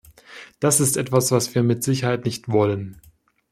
Das ist etwas, was wir mit Sicherheit nicht wollen.